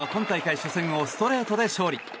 桃田は今大会初戦をストレートで勝利。